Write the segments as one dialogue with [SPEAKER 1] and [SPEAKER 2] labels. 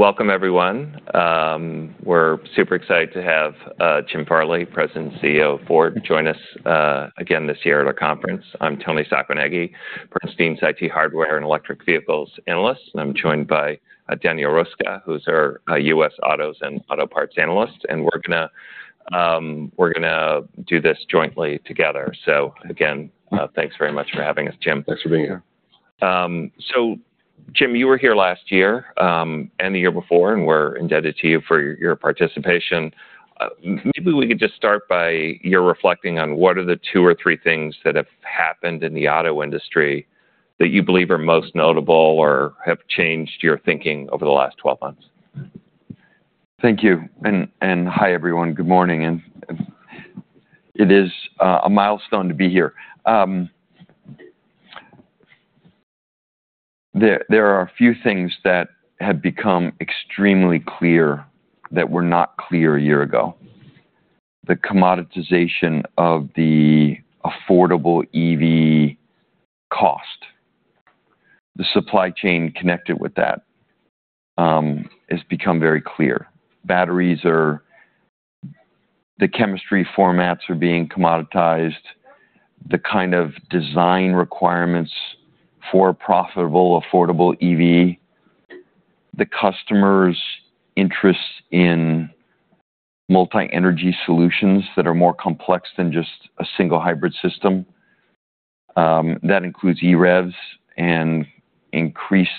[SPEAKER 1] Welcome, everyone. We're super excited to have Jim Farley, President and CEO of Ford, join us again this year at our conference. I'm Toni Sacconaghi, Bernstein's IT hardware and electric vehicles analyst, and I'm joined by Daniel Roeska, who's our U.S. autos and auto parts analyst. And we're gonna, we're gonna do this jointly together. So again, thanks very much for having us, Jim.
[SPEAKER 2] Thanks for being here.
[SPEAKER 1] Jim, you were here last year, and the year before, and we're indebted to you for your participation. Maybe we could just start by you reflecting on what are the two or three things that have happened in the auto industry that you believe are most notable or have changed your thinking over the last 12 months.
[SPEAKER 2] Thank you. Hi everyone. Good morning. It is a milestone to be here. There are a few things that have become extremely clear that were not clear a year ago. The commoditization of the affordable EV cost, the supply chain connected with that, has become very clear. Batteries, the chemistry formats, are being commoditized, the kind of design requirements for a profitable, affordable EV, the customer's interests in multi-energy solutions that are more complex than just a single hybrid system that includes EREVs and increased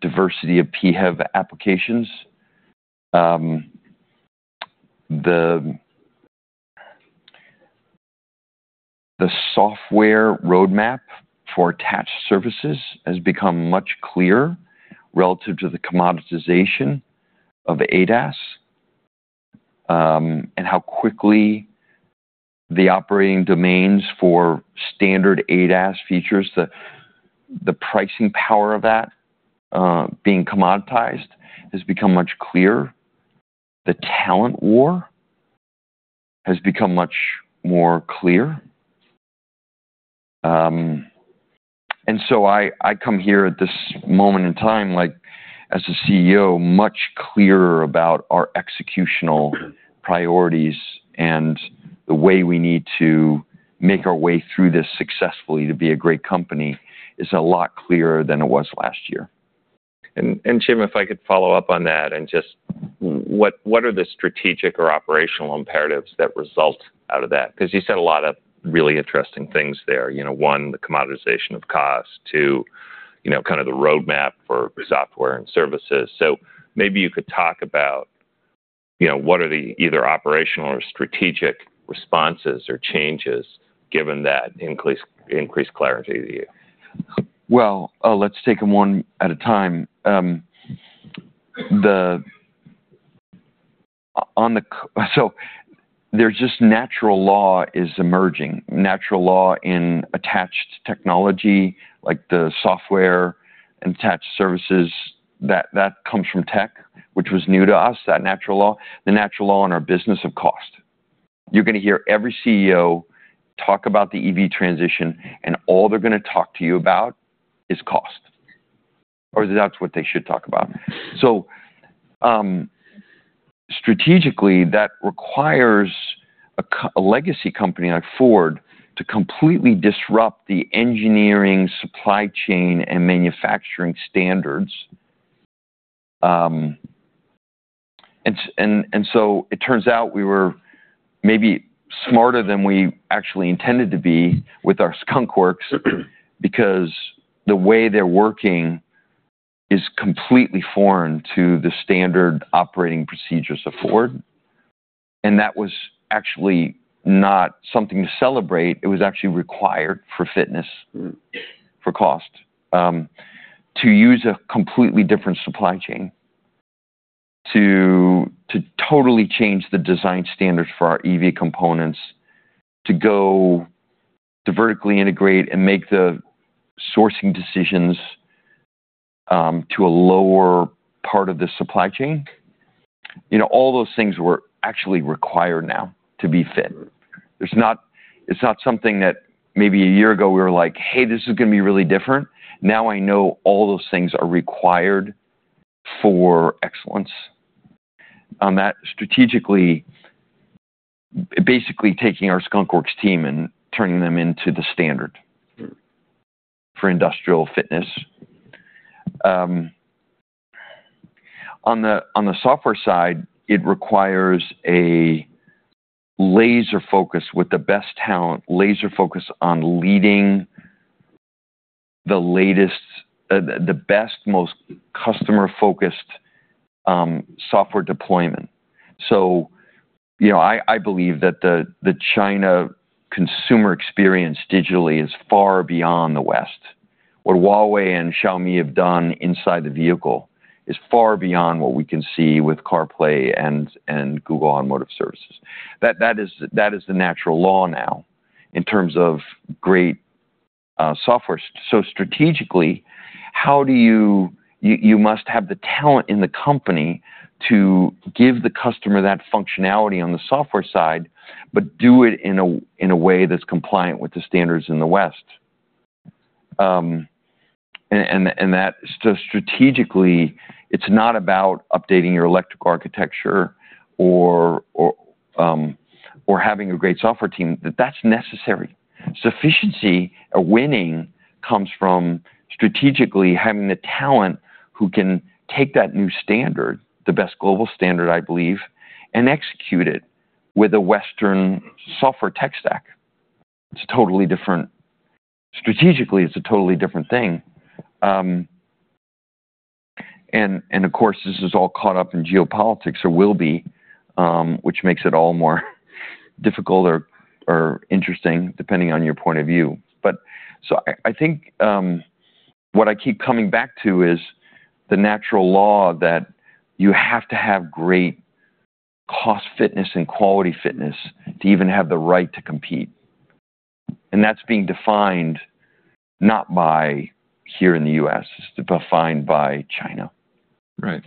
[SPEAKER 2] diversity of PHEV applications. The software roadmap for attached services has become much clearer relative to the commoditization of ADAS, and how quickly the operating domains for standard ADAS features, the pricing power of that, being commoditized has become much clear. The talent war has become much more clear. I come here at this moment in time, like, as a CEO, much clearer about our executional priorities and the way we need to make our way through this successfully to be a great company is a lot clearer than it was last year.
[SPEAKER 1] Jim, if I could follow up on that and just what are the strategic or operational imperatives that result out of that? 'Cause you said a lot of really interesting things there. You know, one, the commoditization of cost. Two, you know, kind of the roadmap for software and services. Maybe you could talk about, you know, what are the either operational or strategic responses or changes given that increased clarity to you?
[SPEAKER 2] Well, let's take them one at a time. There's just natural law is emerging, natural law in attached technology, like the software and attached services. That, that comes from tech, which was new to us, that natural law. The natural law in our business of cost. You're gonna hear every CEO talk about the EV transition, and all they're gonna talk to you about is cost, or that's what they should talk about. So, strategically, that requires a legacy company like Ford to completely disrupt the engineering, supply chain, and manufacturing standards. And so it turns out we were maybe smarter than we actually intended to be with our skunkworks because the way they're working is completely foreign to the standard operating procedures of Ford. And that was actually not something to celebrate. It was actually required for fitness, for cost, to use a completely different supply chain, to totally change the design standards for our EV components, to go to vertically integrate and make the sourcing decisions, to a lower part of the supply chain. You know, all those things were actually required now to be fit. It's not something that maybe a year ago we were like, "Hey, this is gonna be really different." Now I know all those things are required for excellence. On that, strategically, basically taking our skunkworks team and turning them into the standard for industrial fitness. On the software side, it requires a laser focus with the best talent, laser focus on leading the latest, the best, most customer-focused, software deployment. So, you know, I, I believe that the, the China consumer experience digitally is far beyond the West. What Huawei and Xiaomi have done inside the vehicle is far beyond what we can see with CarPlay and Google Automotive Services. That is the natural law now in terms of great software. So strategically, how do you must have the talent in the company to give the customer that functionality on the software side but do it in a way that's compliant with the standards in the West. And that so strategically, it's not about updating your electrical architecture or having a great software team. That's necessary. Sufficiency or winning comes from strategically having the talent who can take that new standard, the best global standard, I believe, and execute it with a Western software tech stack. It's a totally different strategically. It's a totally different thing. And of course, this is all caught up in geopolitics or will be, which makes it all more difficult or interesting depending on your point of view. But so I think, what I keep coming back to is the natural law that you have to have great cost fitness and quality fitness to even have the right to compete. And that's being defined not by here in the U.S. It's defined by China.
[SPEAKER 1] Right.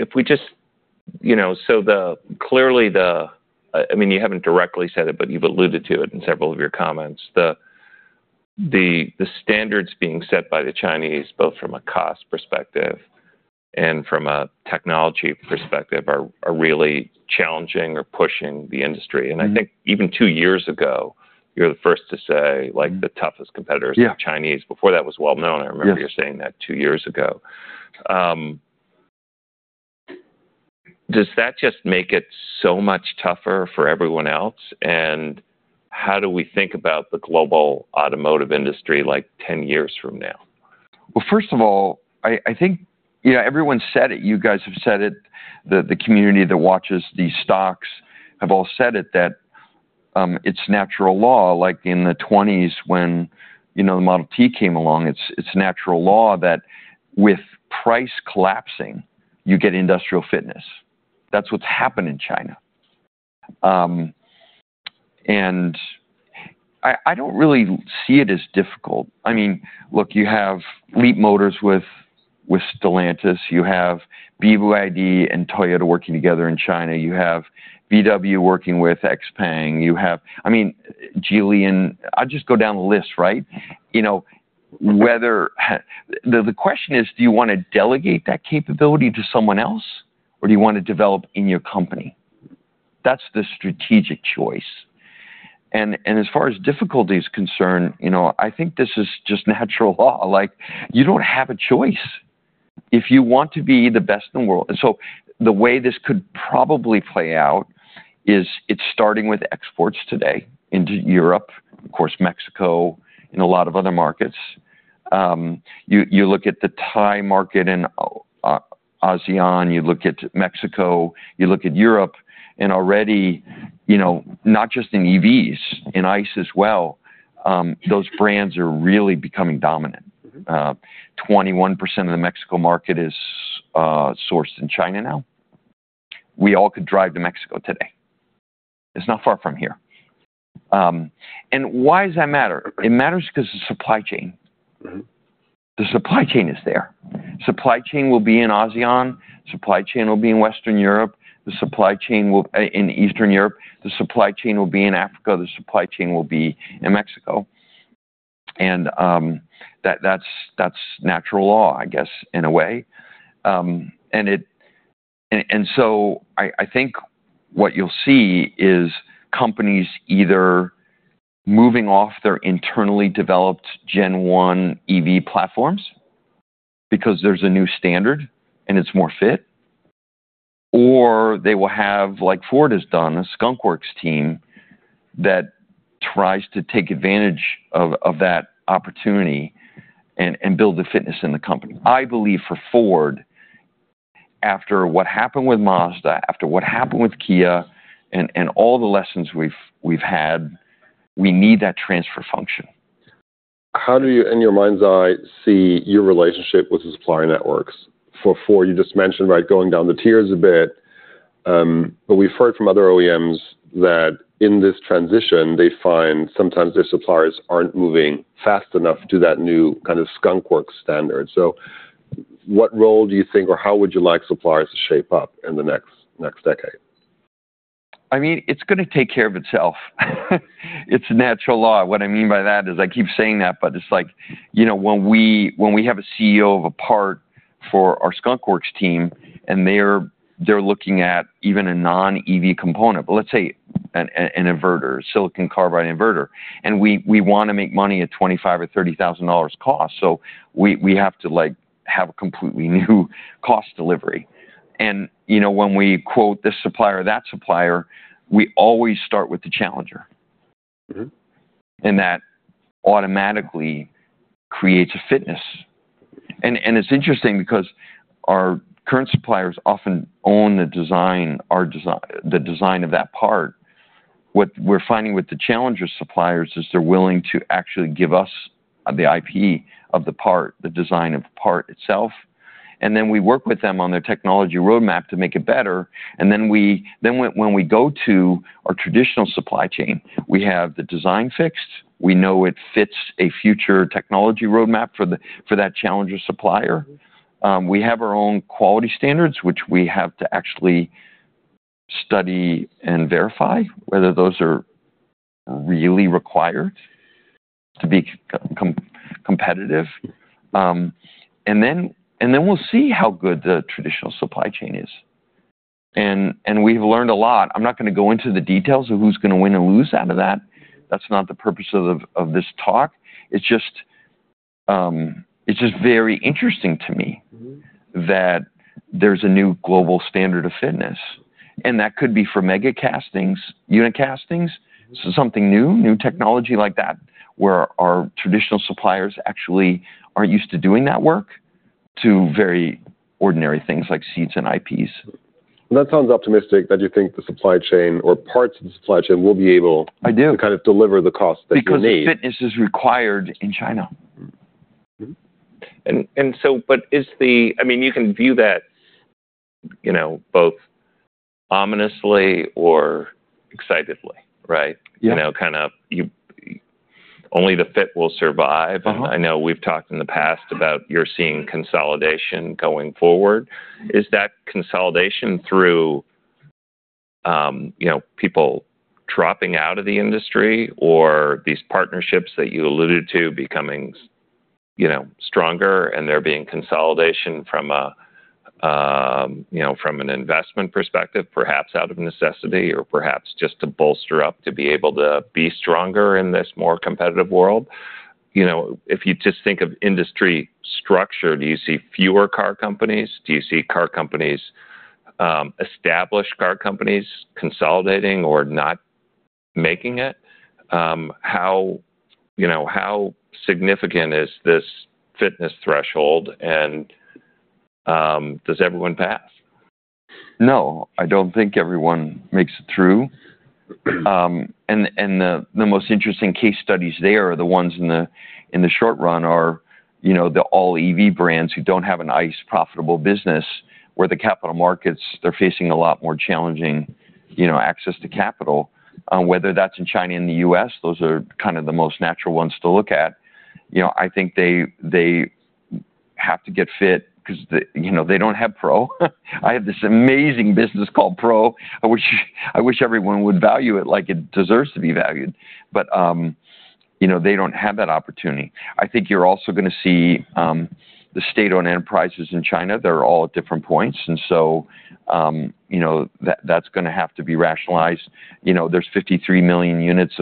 [SPEAKER 1] If we just, you know, so clearly, I mean, you haven't directly said it, but you've alluded to it in several of your comments. The standards being set by the Chinese, both from a cost perspective and from a technology perspective, are really challenging or pushing the industry. And I think even two years ago, you were the first to say, like, the toughest competitors are the Chinese. Before that was well known. I remember you're saying that two years ago. Does that just make it so much tougher for everyone else? And how do we think about the global automotive industry, like, 10 years from now?
[SPEAKER 2] Well, first of all, I think, you know, everyone said it. You guys have said it. The community that watches these stocks have all said it, that it's natural law. Like in the 1920s when, you know, the Model T came along, it's natural law that with price collapsing, you get industrial fitness. That's what's happened in China. And I don't really see it as difficult. I mean, look, you have Leapmotor with Stellantis. You have BYD and Toyota working together in China. You have VW working with XPENG. You have, I mean, Geely and I'll just go down the list, right? You know, whether the question is, do you wanna delegate that capability to someone else, or do you wanna develop in your company? That's the strategic choice. And as far as difficulty is concerned, you know, I think this is just natural law. Like, you don't have a choice. If you want to be the best in the world and so the way this could probably play out is it's starting with exports today into Europe, of course, Mexico, and a lot of other markets. You look at the Thai market and ASEAN, you look at Mexico, you look at Europe, and already, you know, not just in EVs, in ICE as well, those brands are really becoming dominant. 21% of the Mexico market is sourced in China now. We all could drive to Mexico today. It's not far from here. And why does that matter? It matters 'cause of supply chain. The supply chain is there. Supply chain will be in ASEAN. Supply chain will be in Western Europe. The supply chain will be in Eastern Europe. The supply chain will be in Africa. The supply chain will be in Mexico. And that, that's natural law, I guess, in a way. And so I think what you'll see is companies either moving off their internally developed Gen 1 EV platforms because there's a new standard and it's more fit, or they will have, like Ford has done, a Skunkworks team that tries to take advantage of that opportunity and build the fitness in the company. I believe for Ford, after what happened with Mazda, after what happened with Kia, and all the lessons we've had, we need that transfer function.
[SPEAKER 1] How do you in your mind's eye see your relationship with the supplier networks? For you just mentioned, right, going down the tiers a bit. But we've heard from other OEMs that in this transition, they find sometimes their suppliers aren't moving fast enough to that new kind of Skunkworks standard. So what role do you think or how would you like suppliers to shape up in the next decade?
[SPEAKER 2] I mean, it's gonna take care of itself. It's natural law. What I mean by that is I keep saying that, but it's like, you know, when we have a CEO of a part for our skunkworks team and they're looking at even a non-EV component, but let's say an inverter, a Silicon Carbide Inverter, and we wanna make money at $25,000 or $30,000 cost, so we have to, like, have a completely new cost delivery. And, you know, when we quote this supplier or that supplier, we always start with the challenger. And that automatically creates a fitness. And it's interesting because our current suppliers often own the design of that part. What we're finding with the challenger suppliers is they're willing to actually give us the IP of the part, the design of the part itself. And then we work with them on their technology roadmap to make it better. And then, when we go to our traditional supply chain, we have the design fixed. We know it fits a future technology roadmap for that challenger supplier. We have our own quality standards, which we have to actually study and verify whether those are really required to be competitive. And then we'll see how good the traditional supply chain is. And we've learned a lot. I'm not gonna go into the details of who's gonna win and lose out of that. That's not the purpose of this talk. It's just very interesting to me that there's a new global standard of fitness. That could be for megacastings, unit castings, something new, new technology like that where our traditional suppliers actually aren't used to doing that work to very ordinary things like seats and IPs.
[SPEAKER 1] Well, that sounds optimistic that you think the supply chain or parts of the supply chain will be able.
[SPEAKER 2] I do.
[SPEAKER 1] To kind of deliver the cost that you need.
[SPEAKER 2] Because fitness is required in China.
[SPEAKER 1] I mean, you can view that, you know, both ominously or excitedly, right?
[SPEAKER 2] Yeah.
[SPEAKER 1] You know, kind of only the fittest will survive.
[SPEAKER 2] Uh-huh.
[SPEAKER 1] I know we've talked in the past about you're seeing consolidation going forward. Is that consolidation through, you know, people dropping out of the industry or these partnerships that you alluded to becoming, you know, stronger and there being consolidation from a, you know, from an investment perspective, perhaps out of necessity or perhaps just to bolster up to be able to be stronger in this more competitive world? You know, if you just think of industry structure, do you see fewer car companies? Do you see car companies, established car companies consolidating or not making it? How you know, how significant is this fitness threshold and, does everyone pass?
[SPEAKER 2] No. I don't think everyone makes it through. And the most interesting case studies there are the ones in the short run are, you know, the all-EV brands who don't have an ICE profitable business where the capital markets they're facing a lot more challenging, you know, access to capital. Whether that's in China and the US, those are kind of the most natural ones to look at. You know, I think they have to get fit 'cause, you know, they don't have Pro. I have this amazing business called Pro. I wish everyone would value it like it deserves to be valued. But, you know, they don't have that opportunity. I think you're also gonna see the state-owned enterprises in China. They're all at different points. And so, you know, that's gonna have to be rationalized. You know, there's 53 million units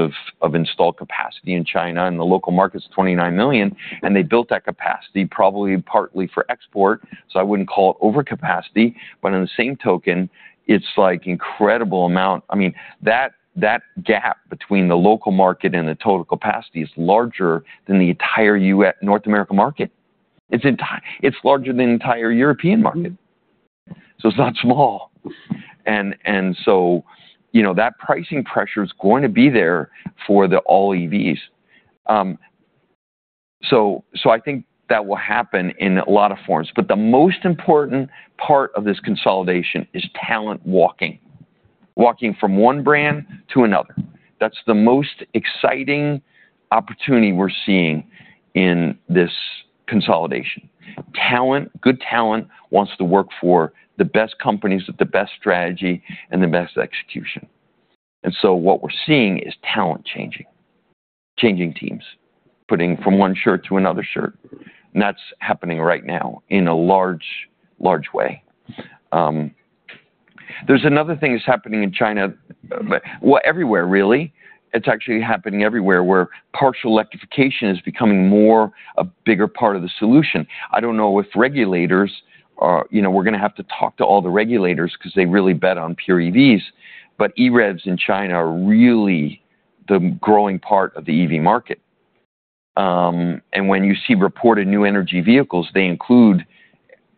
[SPEAKER 2] of installed capacity in China, and the local market's 29 million. And they built that capacity probably partly for export. So I wouldn't call it overcapacity. But on the same token, it's like incredible amount I mean, that gap between the local market and the total capacity is larger than the entire U.S. North American market. It's entire it's larger than the entire European market. So it's not small. And so, you know, that pricing pressure is going to be there for the all-EVs. So I think that will happen in a lot of forms. But the most important part of this consolidation is talent walking, walking from one brand to another. That's the most exciting opportunity we're seeing in this consolidation. Talent good talent wants to work for the best companies with the best strategy and the best execution. And so what we're seeing is talent changing, changing teams, putting from one shirt to another shirt. And that's happening right now in a large, large way. There's another thing that's happening in China, well, everywhere, really. It's actually happening everywhere where partial electrification is becoming more a bigger part of the solution. I don't know if regulators are, you know, we're gonna have to talk to all the regulators 'cause they really bet on pure EVs. But EREVs in China are really the growing part of the EV market. And when you see reported new energy vehicles, they include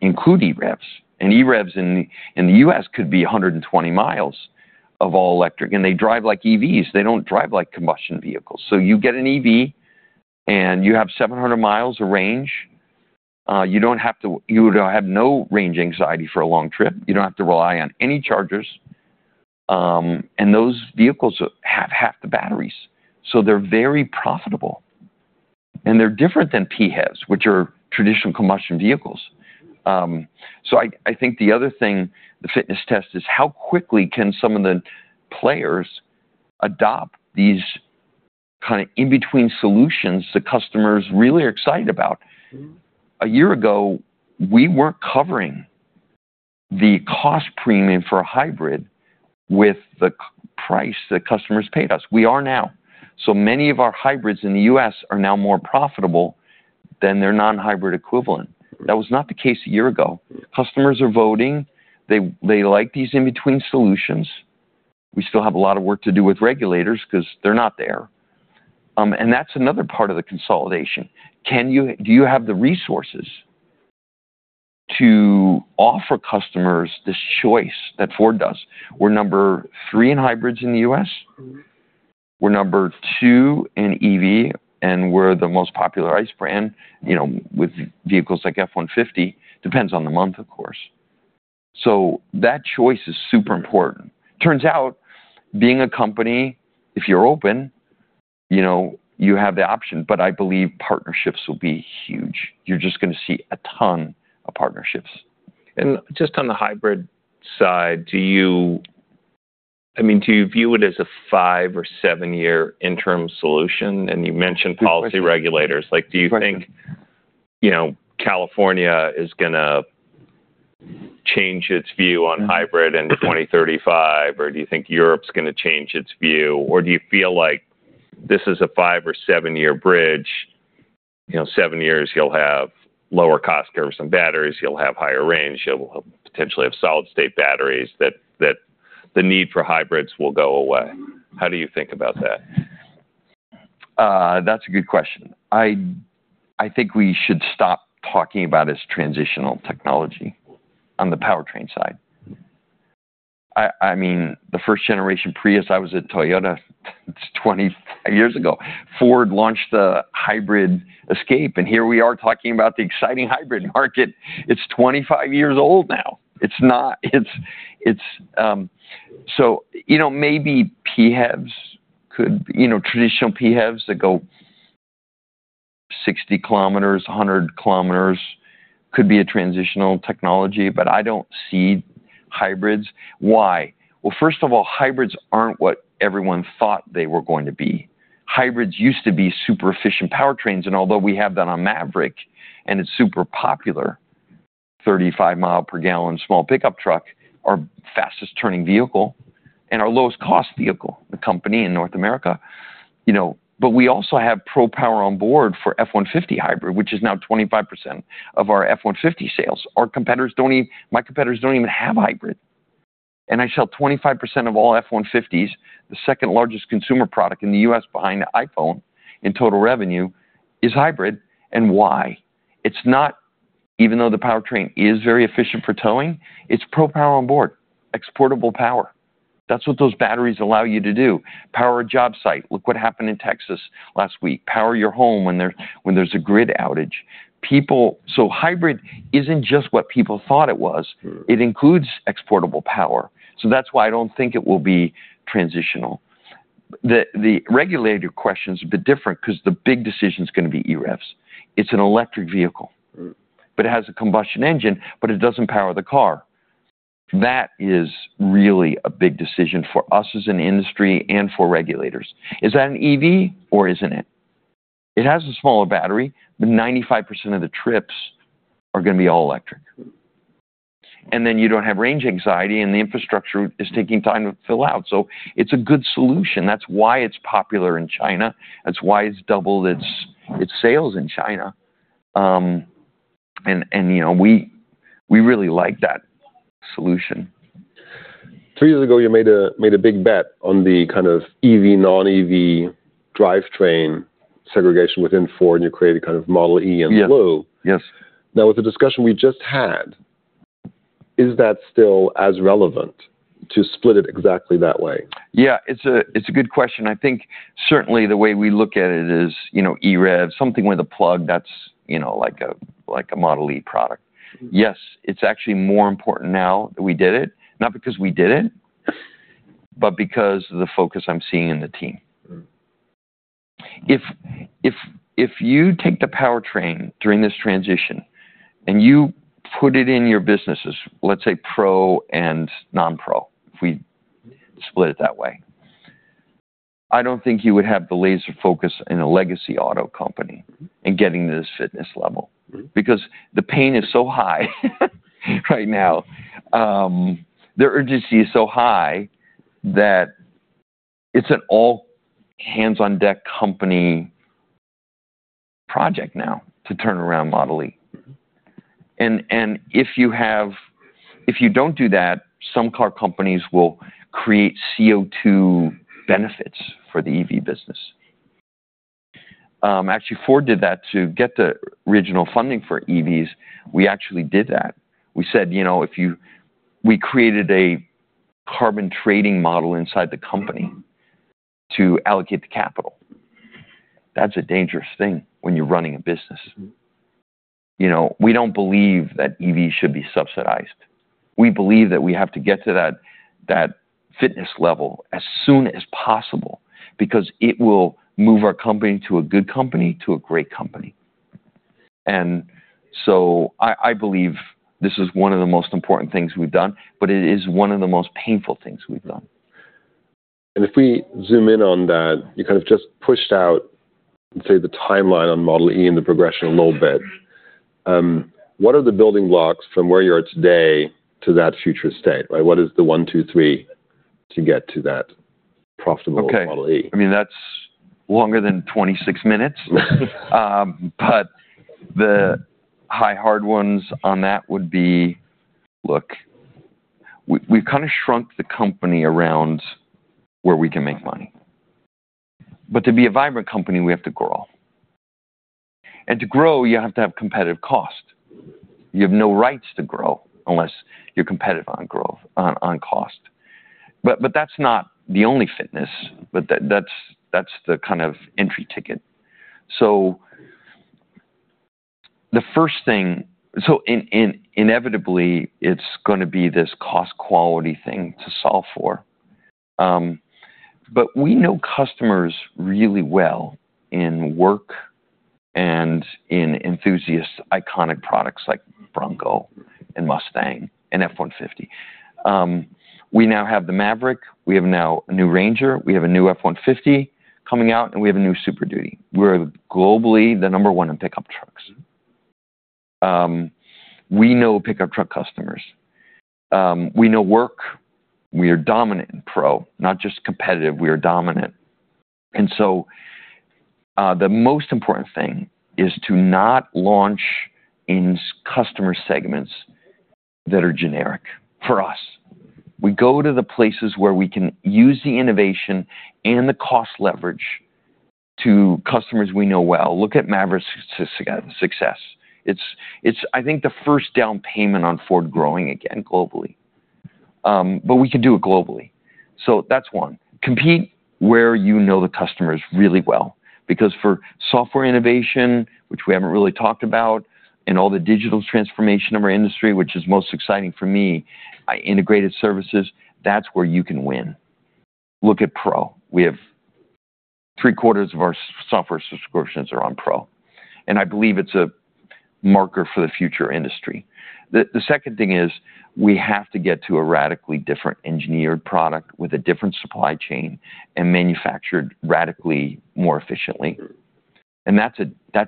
[SPEAKER 2] EREVs. And EREVs in the U.S. could be 120 miles of all-electric. And they drive like EVs. They don't drive like combustion vehicles. So you get an EV, and you have 700 miles of range. You don't have to. You would have no range anxiety for a long trip. You don't have to rely on any chargers. Those vehicles have half the batteries. So they're very profitable. They're different than PHEVs, which are traditional combustion vehicles. So I, I think the other thing the fitness test is how quickly can some of the players adopt these kind of in-between solutions that customers really are excited about. A year ago, we weren't covering the cost premium for a hybrid with the price that customers paid us. We are now. Many of our hybrids in the U.S. are now more profitable than their non-hybrid equivalent. That was not the case a year ago. Customers are voting. They, they like these in-between solutions. We still have a lot of work to do with regulators 'cause they're not there. That's another part of the consolidation. Can you? Do you have the resources to offer customers this choice that Ford does? We're number three in hybrids in the U.S. We're number two in EV, and we're the most popular ICE brand, you know, with vehicles like F-150. Depends on the month, of course. So that choice is super important. Turns out, being a company, if you're open, you know, you have the option. But I believe partnerships will be huge. You're just gonna see a ton of partnerships.
[SPEAKER 1] Just on the hybrid side, I mean, do you view it as a 5- or 7-year interim solution? You mentioned policy regulators. Like, do you think, you know, California is gonna change its view on hybrid in 2035, or do you think Europe's gonna change its view? Or do you feel like this is a 5- or 7-year bridge? You know, 7 years, you'll have lower cost curves on batteries. You'll have higher range. You'll potentially have solid-state batteries that the need for hybrids will go away. How do you think about that?
[SPEAKER 2] That's a good question. I, I think we should stop talking about as transitional technology on the powertrain side. I, I mean, the first-generation Prius. I was at Toyota 25 years ago. Ford launched the hybrid Escape, and here we are talking about the exciting hybrid market. It's 25 years old now. It's not, it's, so, you know, maybe PHEVs could, you know, traditional PHEVs that go 60 kilometers, 100 kilometers could be a transitional technology. But I don't see hybrids. Why? Well, first of all, hybrids aren't what everyone thought they were going to be. Hybrids used to be super efficient powertrains. And although we have that on Maverick and it's super popular, 35-mile-per-gallon small pickup truck, our fastest-selling vehicle and our lowest-cost vehicle company in North America. You know, but we also have Pro Power Onboard for F-150 hybrid, which is now 25% of our F-150 sales. Our competitors don't even have hybrid. And I sell 25% of all F-150s, the second-largest consumer product in the U.S. behind the iPhone in total revenue, is hybrid. And why? It's not, even though the powertrain is very efficient for towing, it's Pro Power Onboard, exportable power. That's what those batteries allow you to do. Power a job site. Look what happened in Texas last week. Power your home when there's a grid outage. People, so hybrid isn't just what people thought it was. It includes exportable power. So that's why I don't think it will be transitional. The regulator question's a bit different 'cause the big decision's gonna be EREVs. It's an electric vehicle. But it has a combustion engine, but it doesn't power the car. That is really a big decision for us as an industry and for regulators. Is that an EV, or isn't it? It has a smaller battery, but 95% of the trips are gonna be all-electric. And then you don't have range anxiety, and the infrastructure is taking time to fill out. So it's a good solution. That's why it's popular in China. That's why it's doubled its sales in China. And you know, we really like that solution.
[SPEAKER 1] Three years ago, you made a big bet on the kind of EV/non-EV drivetrain segregation within Ford, and you created kind of Model e and Blue.
[SPEAKER 2] Yes. Yes.
[SPEAKER 1] Now, with the discussion we just had, is that still as relevant to split it exactly that way?
[SPEAKER 2] Yeah. It's a good question. I think certainly, the way we look at it is, you know, EREVs, something with a plug that's, you know, like a Model E product. Yes, it's actually more important now that we did it, not because we did it, but because of the focus I'm seeing in the team. If you take the powertrain during this transition and you put it in your businesses, let's say Pro and Non-pro, if we split it that way, I don't think you would have the laser focus in a legacy auto company in getting to this fitness level because the pain is so high right now. The urgency is so high that it's an all-hands-on-deck company project now to turn around Model E. If you don't do that, some car companies will create CO2 benefits for the EV business. Actually, Ford did that to get the regional funding for EVs. We actually did that. We said, you know, we created a carbon trading model inside the company to allocate the capital. That's a dangerous thing when you're running a business. You know, we don't believe that EVs should be subsidized. We believe that we have to get to that fitness level as soon as possible because it will move our company to a good company to a great company. And so I believe this is one of the most important things we've done, but it is one of the most painful things we've done.
[SPEAKER 1] If we zoom in on that, you kind of just pushed out, say, the timeline on Model e and the progression a little bit. What are the building blocks from where you are today to that future state, right? What is the one, two, three to get to that profitable Model e?
[SPEAKER 2] Okay. I mean, that's longer than 26 minutes. But the high-hard ones on that would be look, we, we've kind of shrunk the company around where we can make money. But to be a vibrant company, we have to grow. And to grow, you have to have competitive cost. You have no rights to grow unless you're competitive on growth on, on cost. But, but that's not the only fitness. But that, that's, that's the kind of entry ticket. So the first thing so in, in, inevitably, it's gonna be this cost-quality thing to solve for. But we know customers really well in work and in enthusiast-iconic products like Bronco and Mustang and F-150. We now have the Maverick. We have now a new Ranger. We have a new F-150 coming out, and we have a new Super Duty. We're globally the number one in pickup trucks. We know pickup truck customers. We know work. We are dominant in Pro, not just competitive. We are dominant. And so, the most important thing is to not launch in customer segments that are generic for us. We go to the places where we can use the innovation and the cost leverage to customers we know well. Look at Maverick's success. It's, it's, I think, the first down payment on Ford growing again globally. But we can do it globally. So that's one. Compete where you know the customers really well because for software innovation, which we haven't really talked about, and all the digital transformation of our industry, which is most exciting for me, integrated services, that's where you can win. Look at Pro. We have three-quarters of our software subscriptions are on Pro. And I believe it's a marker for the future industry. The second thing is we have to get to a radically different engineered product with a different supply chain and manufactured radically more efficiently. And that's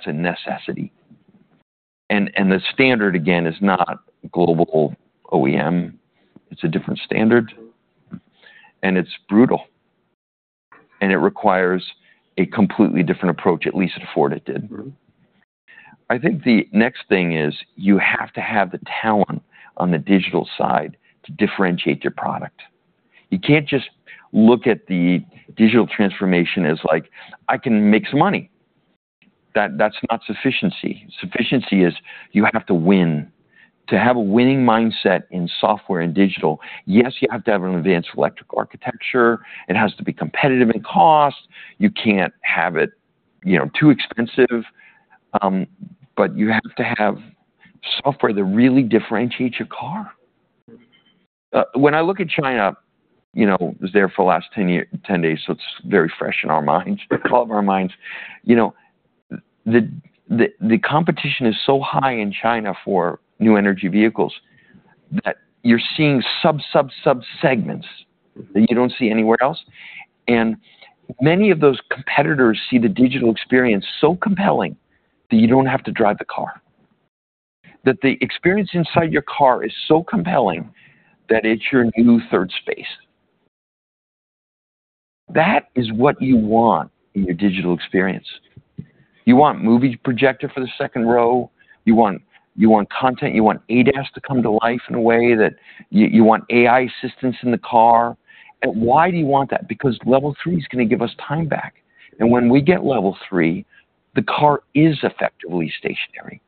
[SPEAKER 2] a necessity. And the standard, again, is not global OEM. It's a different standard. And it's brutal. And it requires a completely different approach, at least at Ford, it did. I think the next thing is you have to have the talent on the digital side to differentiate your product. You can't just look at the digital transformation as, like, "I can make some money." That's not sufficiency. Sufficiency is you have to win. To have a winning mindset in software and digital, yes, you have to have an advanced electric architecture. It has to be competitive in cost. You can't have it, you know, too expensive, but you have to have software that really differentiates your car. When I look at China, you know, it was there for the last 10 years, 10 days, so it's very fresh in our minds, all of our minds. You know, the competition is so high in China for new energy vehicles that you're seeing sub-sub-sub-segments that you don't see anywhere else. And many of those competitors see the digital experience so compelling that you don't have to drive the car, that the experience inside your car is so compelling that it's your new third space. That is what you want in your digital experience. You want movie projector for the second row. You want content. You want ADAS to come to life in a way that you want AI assistance in the car. And why do you want that? Because Level 3's gonna give us time back. When we get Level 3, the car is effectively stationary.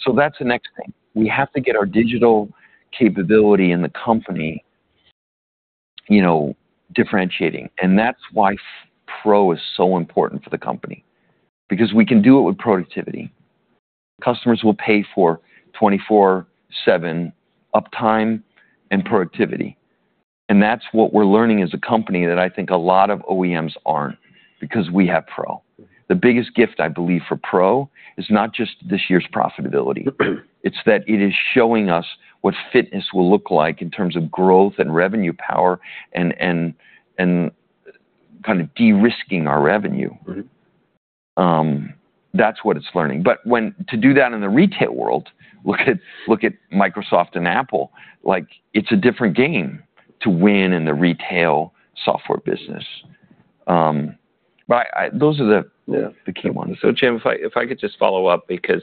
[SPEAKER 2] So that's the next thing. We have to get our digital capability in the company, you know, differentiating. That's why pro is so important for the company because we can do it with productivity. Customers will pay for 24/7 uptime and productivity. That's what we're learning as a company that I think a lot of OEMs aren't because we have pro. The biggest gift, I believe, for pro is not just this year's profitability. It's that it is showing us what fitness will look like in terms of growth and revenue power and, and, and kind of de-risking our revenue. That's what it's learning. But when to do that in the retail world, look at look at Microsoft and Apple. Like, it's a different game to win in the retail software business. But those are the key ones.
[SPEAKER 1] Yeah. So, Jim, if I if I could just follow up because,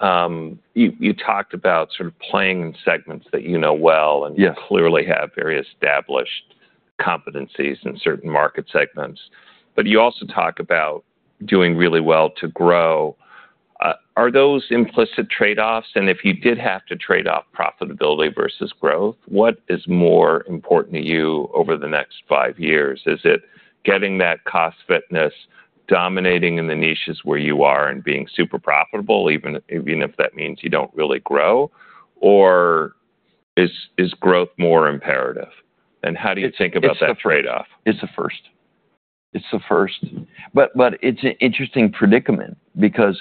[SPEAKER 1] you, you talked about sort of playing in segments that you know well and you clearly have very established competencies in certain market segments. But you also talk about doing really well to grow. Are those implicit trade-offs? And if you did have to trade off profitability versus growth, what is more important to you over the next five years? Is it getting that cost fitness, dominating in the niches where you are and being super profitable, even, even if that means you don't really grow? Or is, is growth more imperative? And how do you think about that trade-off?
[SPEAKER 2] It's the first. But it's an interesting predicament because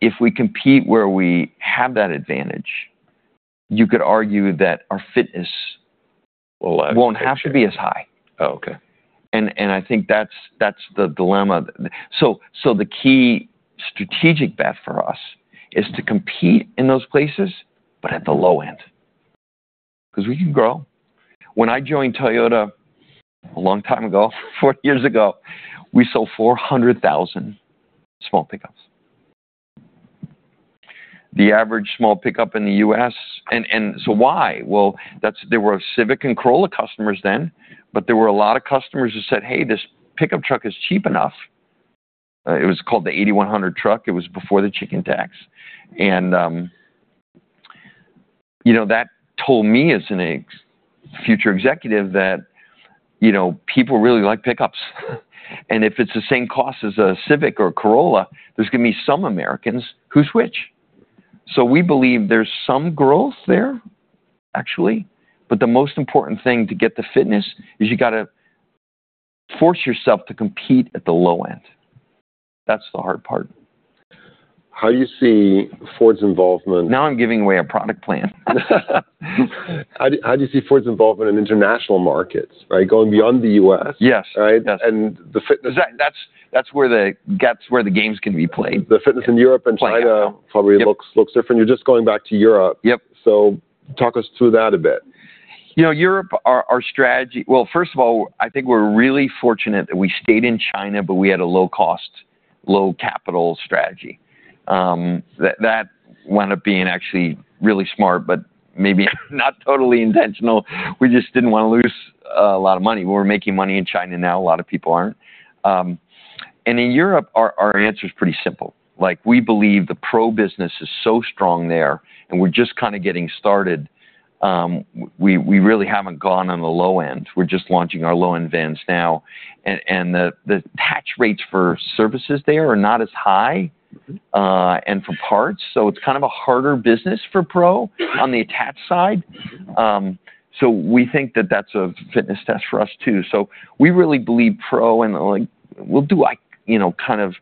[SPEAKER 2] if we compete where we have that advantage, you could argue that our fitness won't have to be as high.
[SPEAKER 1] Oh, okay.
[SPEAKER 2] I think that's the dilemma. The key strategic bet for us is to compete in those places but at the low end 'cause we can grow. When I joined Toyota a long time ago, 40 years ago, we sold 400,000 small pickups. The average small pickup in the U.S. and so why? Well, there were Civic and Corolla customers then, but there were a lot of customers who said, "Hey, this pickup truck is cheap enough." It was called the 8100 truck. It was before the Chicken Tax. And, you know, that told me as a future executive that, you know, people really like pickups. And if it's the same cost as a Civic or a Corolla, there's gonna be some Americans who switch. So we believe there's some growth there, actually. The most important thing to get the fitness is you gotta force yourself to compete at the low end. That's the hard part.
[SPEAKER 1] How do you see Ford's involvement?
[SPEAKER 2] Now I'm giving away a product plan.
[SPEAKER 1] How do you see Ford's involvement in international markets, right, going beyond the U.S., right?
[SPEAKER 2] Yes. Yes.
[SPEAKER 1] The fitness?
[SPEAKER 2] Exactly. That's where the games can be played.
[SPEAKER 1] The fitness in Europe and China probably looks different. You're just going back to Europe.
[SPEAKER 2] Yep.
[SPEAKER 1] Talk us through that a bit.
[SPEAKER 2] You know, Europe, our strategy well, first of all, I think we're really fortunate that we stayed in China, but we had a low-cost, low-capital strategy. That wound up being actually really smart but maybe not totally intentional. We just didn't wanna lose a lot of money. We were making money in China now. A lot of people aren't. And in Europe, our answer's pretty simple. Like, we believe the Pro business is so strong there, and we're just kinda getting started. We really haven't gone on the low end. We're just launching our low-end vans now. And the attach rates for services there are not as high, and for parts. So it's kind of a harder business for Pro on the attach side. So we think that that's a fitness test for us too. So we really believe Pro and, like, we'll do, like, you know, kind of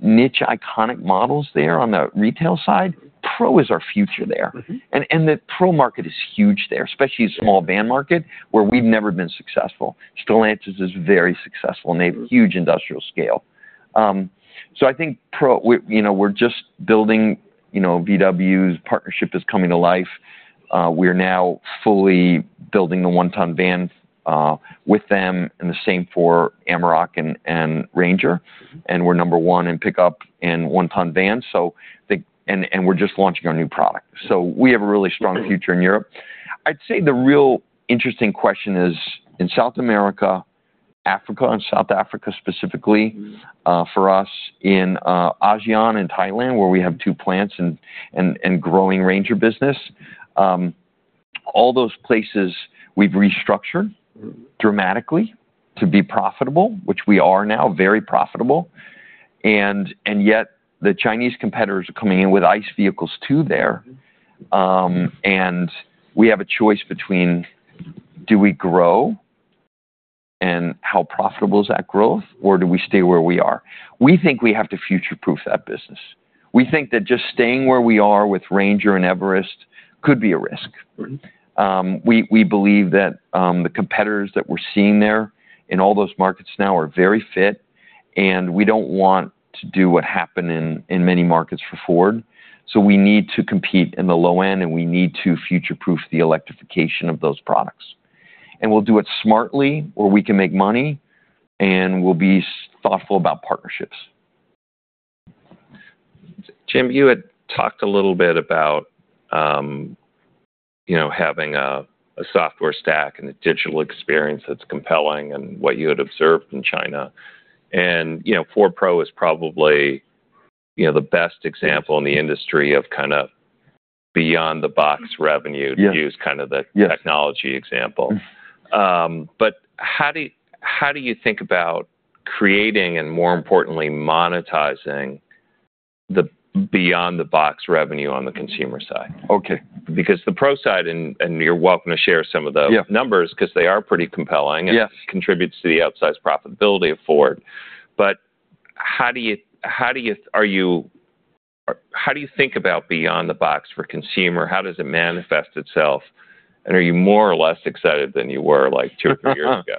[SPEAKER 2] niche iconic models there on the retail side. Pro is our future there. And the Pro market is huge there, especially a small van market where we've never been successful. Stellantis is very successful, and they have huge industrial scale. So I think Pro, we, you know, we're just building, you know, VW's partnership is coming to life. We are now fully building the one-ton van, with them, and the same for Amarok and Ranger. And we're number one in pickup and one-ton van. So they and we're just launching our new product. So we have a really strong future in Europe. I'd say the real interesting question is in South America, Africa, and South Africa specifically, for us, in ASEAN and Thailand, where we have two plants and growing Ranger business. All those places, we've restructured dramatically to be profitable, which we are now, very profitable. And yet, the Chinese competitors are coming in with ICE vehicles too there. And we have a choice between do we grow, and how profitable is that growth, or do we stay where we are? We think we have to future-proof that business. We think that just staying where we are with Ranger and Everest could be a risk. We believe that the competitors that we're seeing there in all those markets now are very fit, and we don't want to do what happened in many markets for Ford. We need to compete in the low end, and we need to future-proof the electrification of those products. We'll do it smartly where we can make money, and we'll be thoughtful about partnerships.
[SPEAKER 1] Jim, you had talked a little bit about, you know, having a software stack and a digital experience that's compelling and what you had observed in China. You know, Ford Pro is probably, you know, the best example in the industry of kind of beyond-the-box revenue.
[SPEAKER 2] Yes.
[SPEAKER 1] To use kind of the technology example, but how do you think about creating and, more importantly, monetizing the beyond-the-box revenue on the consumer side?
[SPEAKER 2] Okay.
[SPEAKER 1] Because the Pro side and you're welcome to share some of the numbers 'cause they are pretty compelling and contributes to the outsized profitability of Ford. But how do you think about beyond-the-box for consumer? How does it manifest itself? And are you more or less excited than you were, like, two or three years ago?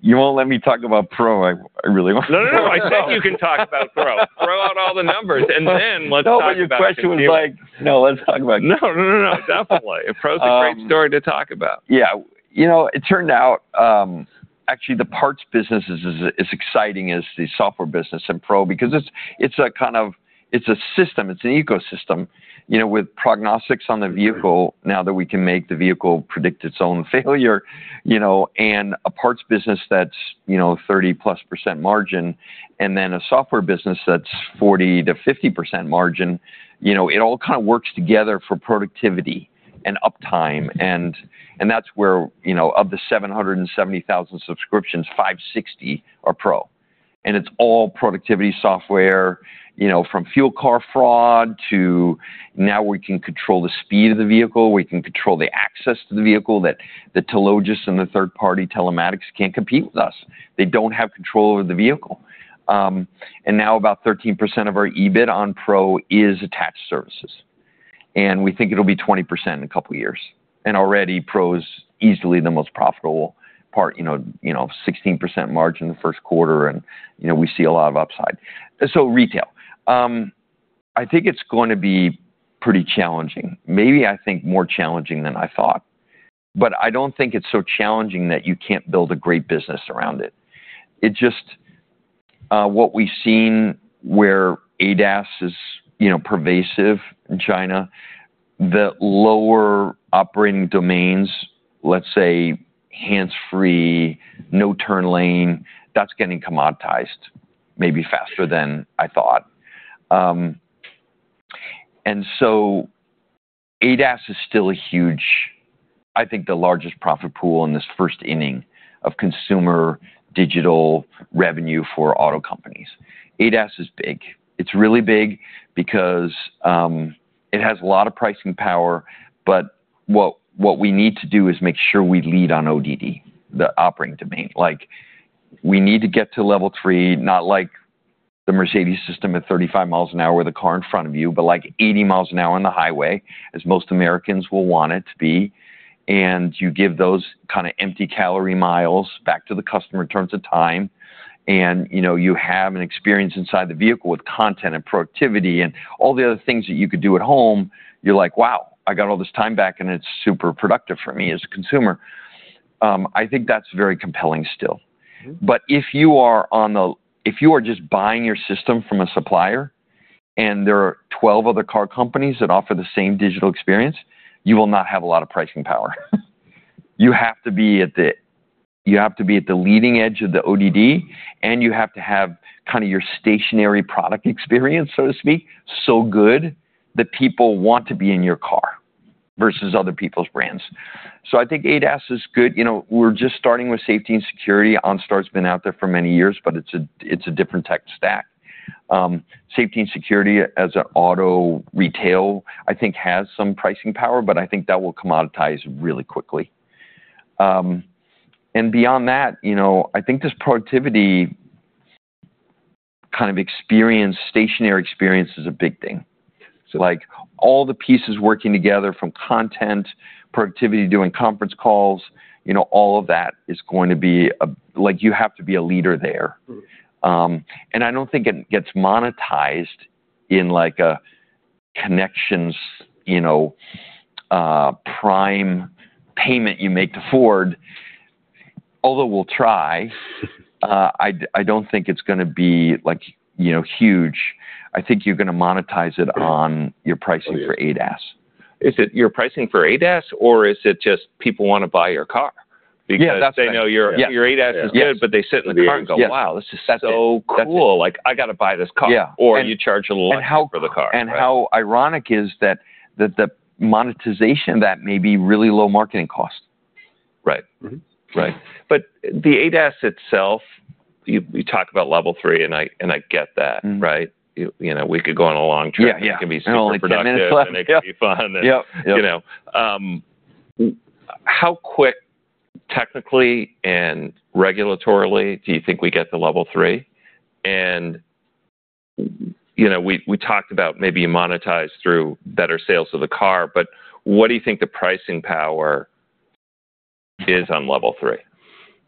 [SPEAKER 2] You won't let me talk about Pro. I really won't.
[SPEAKER 1] No, no, no. I said you can talk about pro. Throw out all the numbers, and then let's talk about the future.
[SPEAKER 2] No, but your question was, like, no, let's talk about.
[SPEAKER 1] No, no, no, no. Definitely. And Pro's a great story to talk about.
[SPEAKER 2] Yeah. You know, it turned out, actually, the parts business is, is exciting as the software business and Pro because it's, it's a kind of it's a system. It's an ecosystem, you know, with prognostics on the vehicle now that we can make the vehicle predict its own failure, you know, and a parts business that's, you know, 30+% margin and then a software business that's 40%-50% margin. You know, it all kinda works together for productivity and uptime. And, and that's where, you know, of the 770,000 subscriptions, 560 are Pro. And it's all productivity software, you know, from fuel card fraud to now we can control the speed of the vehicle. We can control the access to the vehicle that the telcos and the third-party telematics can't compete with us. They don't have control over the vehicle. And now about 13% of our EBIT on pro is attached services. And we think it'll be 20% in a couple of years. And already, pro's easily the most profitable part, you know, you know, 16% margin the first quarter, and, you know, we see a lot of upside. So retail. I think it's gonna be pretty challenging. Maybe, I think, more challenging than I thought. But I don't think it's so challenging that you can't build a great business around it. It just, what we've seen where ADAS is, you know, pervasive in China, the lower operating domains, let's say hands-free, no-turn lane, that's getting commoditized maybe faster than I thought. And so ADAS is still a huge I think the largest profit pool in this first inning of consumer digital revenue for auto companies. ADAS is big. It's really big because, it has a lot of pricing power. But what we need to do is make sure we lead on ODD, the operating domain. Like, we need to get to Level 3, not like the Mercedes system at 35 miles an hour with a car in front of you, but like 80 miles an hour on the highway, as most Americans will want it to be. And you give those kinda empty-calorie miles back to the customer in terms of time. And, you know, you have an experience inside the vehicle with content and productivity and all the other things that you could do at home. You're like, "Wow, I got all this time back, and it's super productive for me as a consumer." I think that's very compelling still. But if you are just buying your system from a supplier and there are 12 other car companies that offer the same digital experience, you will not have a lot of pricing power. You have to be at the leading edge of the ODD, and you have to have kinda your stationary product experience, so to speak, so good that people want to be in your car versus other people's brands. So I think ADAS is good. You know, we're just starting with safety and security. OnStar's been out there for many years, but it's a different tech stack. Safety and security as an auto retail, I think, has some pricing power, but I think that will commoditize really quickly. Beyond that, you know, I think this productivity kind of experience, stationary experience, is a big thing. Like, all the pieces working together from content, productivity, doing conference calls, you know, all of that is going to be like, you have to be a leader there. I don't think it gets monetized in, like, a connections, you know, prime payment you make to Ford. Although we'll try, I, I don't think it's gonna be, like, you know, huge. I think you're gonna monetize it on your pricing for ADAS.
[SPEAKER 1] Is it your pricing for ADAS, or is it just people wanna buy your car because they know your ADAS is good, but they sit in the car and go, "Wow, this is so cool. Like, I gotta buy this car," or you charge a lot for the car?
[SPEAKER 2] How ironic is that, that the monetization may be really low marketing cost?
[SPEAKER 1] Right. Right. But the ADAS itself, you talk about level three, and I get that, right? You know, we could go on a long trip. It can be super productive, and it can be fun, and, you know, how quick, technically and regulatorily, do you think we get to level three? And, you know, we talked about maybe you monetize through better sales of the car, but what do you think the pricing power is on level three?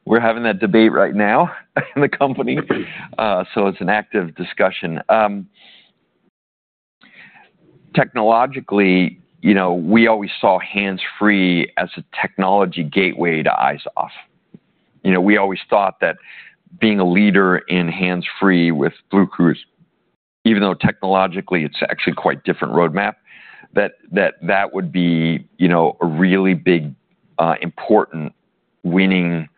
[SPEAKER 2] We're having that debate right now in the company. So it's an active discussion. Technologically, you know, we always saw hands-free as a technology gateway to eyes-off. You know, we always thought that being a leader in hands-free with BlueCruise, even though technologically, it's actually quite a different roadmap, that, that, that would be, you know, a really big, important winning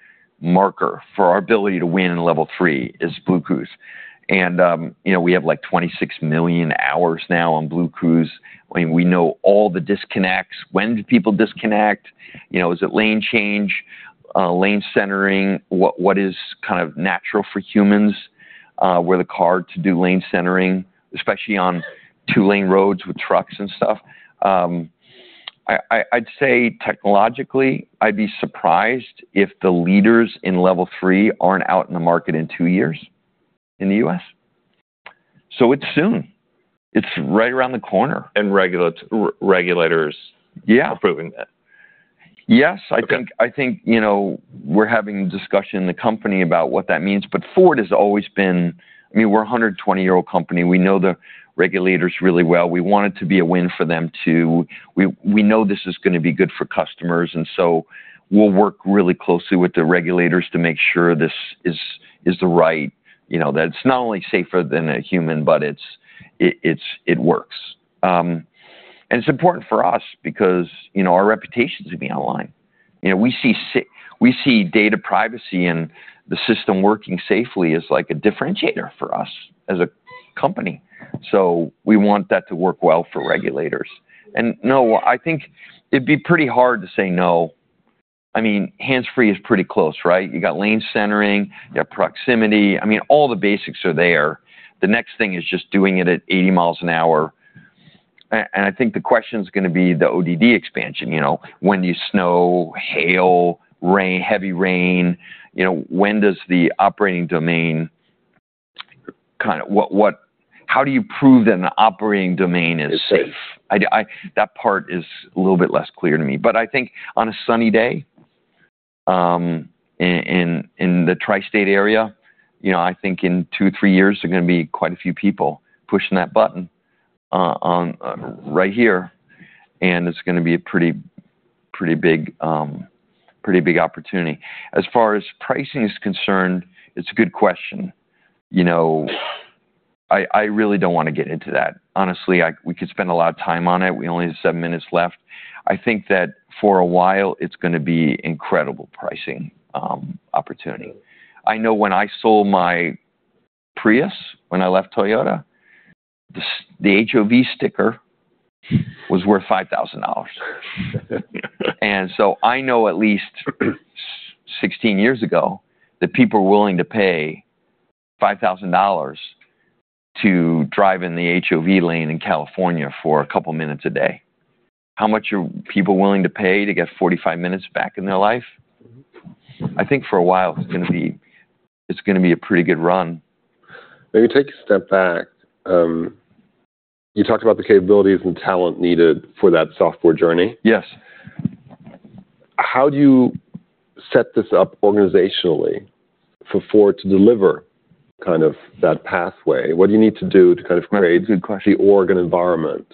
[SPEAKER 2] marker for our ability to win in Level 3 is BlueCruise. And, you know, we have, like, 26 million hours now on BlueCruise. I mean, we know all the disconnects. When do people disconnect? You know, is it lane change, lane centering? What, what is kind of natural for humans, with a car to do lane centering, especially on two-lane roads with trucks and stuff? I'd say technologically, I'd be surprised if the leaders in Level 3 aren't out in the market in two years in the U.S. So it's soon. It's right around the corner.
[SPEAKER 1] Regulators, yeah, approving that.
[SPEAKER 2] Yeah. Yes. I think I think, you know, we're having discussion in the company about what that means. But Ford has always been I mean, we're a 120-year-old company. We know the regulators really well. We want it to be a win for them too. We, we know this is gonna be good for customers. And so we'll work really closely with the regulators to make sure this is, is the right you know, that it's not only safer than a human, but it's it, it's it works. And it's important for us because, you know, our reputation's gonna be online. You know, we see, as we see, data privacy and the system working safely as, like, a differentiator for us as a company. So we want that to work well for regulators. And no, I think it'd be pretty hard to say no. I mean, hands-free is pretty close, right? You got lane centering. You got proximity. I mean, all the basics are there. The next thing is just doing it at 80 miles an hour. And I think the question's gonna be the ODD expansion, you know. When do you snow, hail, rain, heavy rain? You know, when does the operating domain kinda what, what how do you prove that an operating domain is safe? I do that part is a little bit less clear to me. But I think on a sunny day, in, in, in the tri-state area, you know, I think in 2-3 years, there're gonna be quite a few people pushing that button, on, right here. And it's gonna be a pretty, pretty big, pretty big opportunity. As far as pricing is concerned, it's a good question. You know, I really don't wanna get into that. Honestly, we could spend a lot of time on it. We only have 7 minutes left. I think that for a while, it's gonna be incredible pricing, opportunity. I know when I sold my Prius, when I left Toyota, the HOV sticker was worth $5,000. And so I know at least 16 years ago that people were willing to pay $5,000 to drive in the HOV lane in California for a couple of minutes a day. How much are people willing to pay to get 45 minutes back in their life? I think for a while, it's gonna be a pretty good run.
[SPEAKER 1] Maybe take a step back. You talked about the capabilities and talent needed for that software journey.
[SPEAKER 2] Yes.
[SPEAKER 1] How do you set this up organizationally for Ford to deliver kind of that pathway? What do you need to do to kind of create the org and environment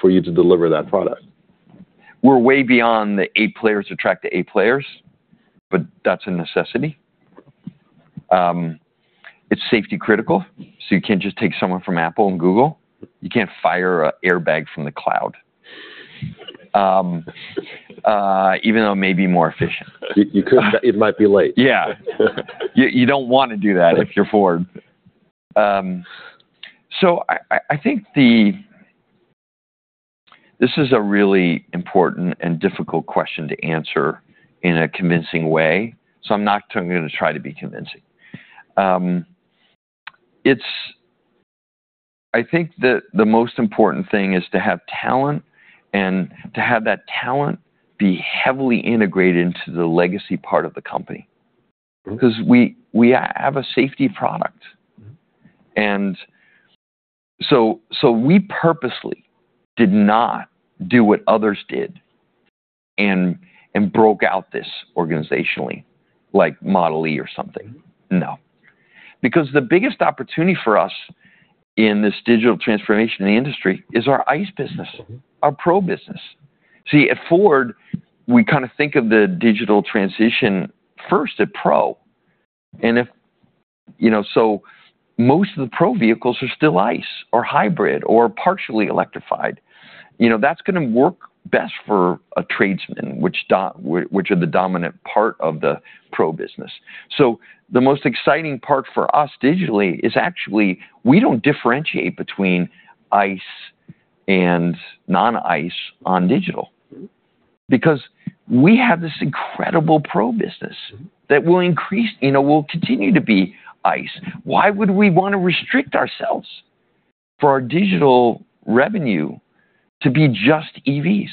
[SPEAKER 1] for you to deliver that product?
[SPEAKER 2] Yes. We're way beyond the eight players attracted to eight players, but that's a necessity. It's safety-critical. So you can't just take someone from Apple and Google. You can't fire an airbag from the cloud, even though it may be more efficient.
[SPEAKER 1] You could. It might be late.
[SPEAKER 2] Yeah. You don't wanna do that if you're Ford. So I think this is a really important and difficult question to answer in a convincing way. So I'm not gonna try to be convincing. It's, I think, the most important thing is to have talent and to have that talent be heavily integrated into the legacy part of the company 'cause we have a safety product. And so we purposely did not do what others did and broke out this organizationally, like, Model e or something. No. Because the biggest opportunity for us in this digital transformation in the industry is our ICE business, our Pro business. See, at Ford, we kinda think of the digital transition first at Pro. And you know, so most of the Pro vehicles are still ICE or hybrid or partially electrified. You know, that's gonna work best for a tradesman, which are the dominant part of the Pro business. So the most exciting part for us digitally is actually, we don't differentiate between ICE and non-ICE on digital because we have this incredible Pro business that will increase you know, we'll continue to be ICE. Why would we wanna restrict ourselves for our digital revenue to be just EVs?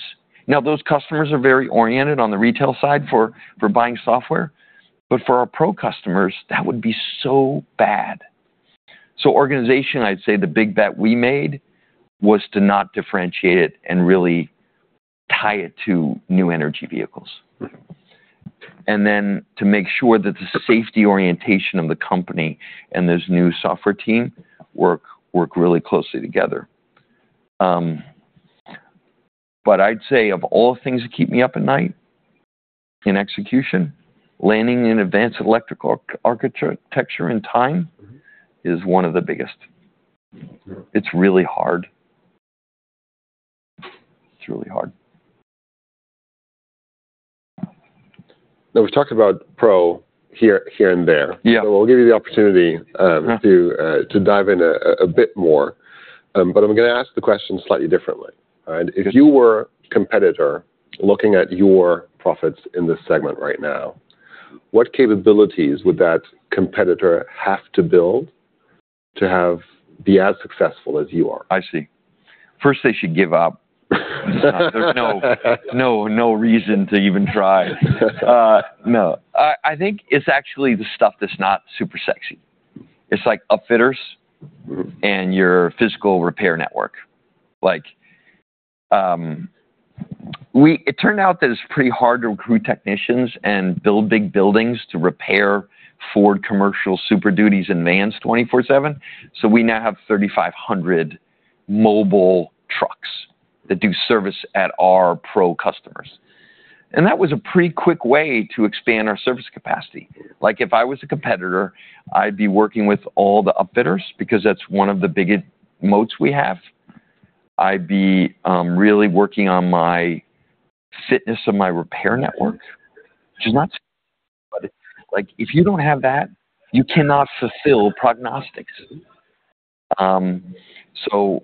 [SPEAKER 2] Now, those customers are very oriented on the retail side for buying software. But for our Pro customers, that would be so bad. So organizationally, I'd say the big bet we made was to not differentiate it and really tie it to new energy vehicles and then to make sure that the safety orientation of the company and this new software team work really closely together. I'd say of all things that keep me up at night in execution, landing in advanced electrical architecture in time is one of the biggest. It's really hard. It's really hard.
[SPEAKER 1] Now, we've talked about Pro here, here and there. So we'll give you the opportunity to dive in a bit more. But I'm gonna ask the question slightly differently, all right? If you were a competitor looking at your profits in this segment right now, what capabilities would that competitor have to build to have be as successful as you are?
[SPEAKER 2] I see. First, they should give up. There's no, no, no reason to even try. I, I think it's actually the stuff that's not super sexy. It's, like, upfitters and your physical repair network. Like, it turned out that it's pretty hard to recruit technicians and build big buildings to repair Ford commercial Super Dutys and vans 24/7. So we now have 3,500 mobile trucks that do service at our Pro customers. And that was a pretty quick way to expand our service capacity. Like, if I was a competitor, I'd be working with all the upfitters because that's one of the biggest moats we have. I'd be, really working on my fitness of my repair network, which is not sexy. But it's like, if you don't have that, you cannot fulfill prognostics. So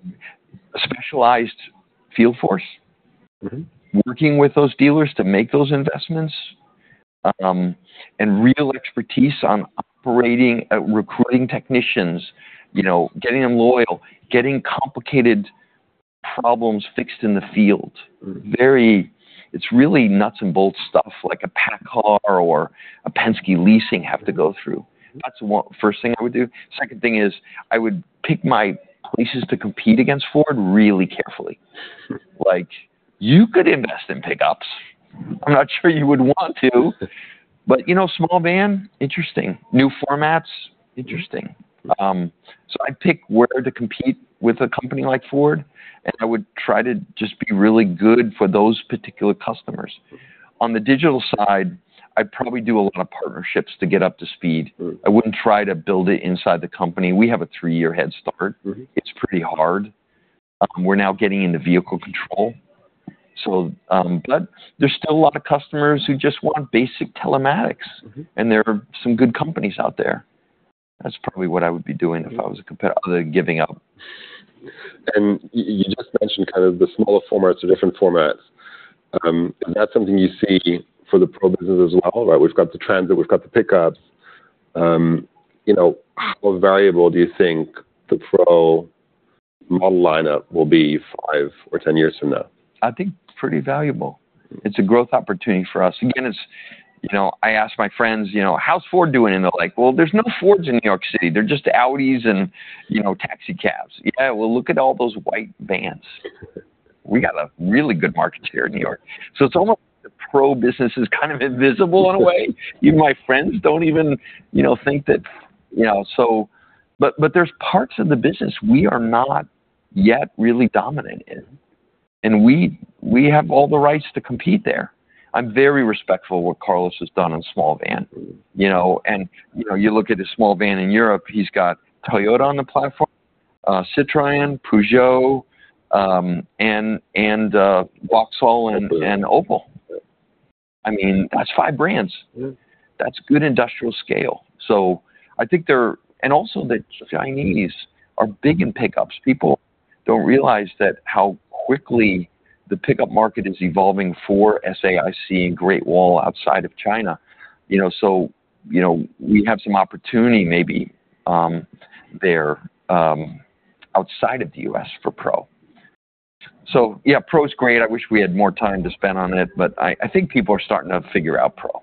[SPEAKER 2] a specialized field force, working with those dealers to make those investments, and real expertise on operating, recruiting technicians, you know, getting them loyal, getting complicated problems fixed in the field. Very, it's really nuts and bolts stuff like a PACCAR or a Penske leasing have to go through. That's the one first thing I would do. Second thing is, I would pick my places to compete against Ford really carefully. Like, you could invest in pickups. I'm not sure you would want to. But, you know, small van, interesting. New formats, interesting. So I'd pick where to compete with a company like Ford, and I would try to just be really good for those particular customers. On the digital side, I'd probably do a lot of partnerships to get up to speed. I wouldn't try to build it inside the company. We have a three-year head start. It's pretty hard. We're now getting into vehicle control. So, but there's still a lot of customers who just want basic telematics, and there are some good companies out there. That's probably what I would be doing if I was a competitor other than giving up.
[SPEAKER 1] You just mentioned kind of the smaller formats or different formats. Is that something you see for the Pro business as well, right? We've got the Transit. We've got the pickups. You know, how valuable do you think the Pro model lineup will be five or ten years from now?
[SPEAKER 2] I think pretty valuable. It's a growth opportunity for us. Again, it's you know, I ask my friends, you know, "How's Ford doing?" And they're like, "Well, there's no Fords in New York City. They're just Audis and, you know, taxi cabs." "Yeah. Well, look at all those white vans. We got a really good market here in New York." So it's almost like the Pro business is kind of invisible in a way. Even my friends don't even, you know, think that you know, so but, but there's parts of the business we are not yet really dominant in. And we, we have all the rights to compete there. I'm very respectful of what Carlos has done on small van, you know. And, you know, you look at his small van in Europe, he's got Toyota on the platform, Citroën, Peugeot, and, and, Vauxhall and, and Opel. I mean, that's five brands. That's good industrial scale. So I think they're and also, the Chinese are big in pickups. People don't realize that how quickly the pickup market is evolving for SAIC and Great Wall outside of China. You know, so, you know, we have some opportunity maybe, there, outside of the US for Pro. So yeah, Pro's great. I wish we had more time to spend on it. But I, I think people are starting to figure out Pro.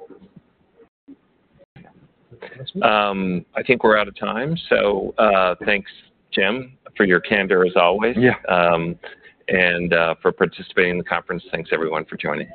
[SPEAKER 1] I think we're out of time. So, thanks, Jim, for your candor as always and for participating in the conference. Thanks, everyone, for joining.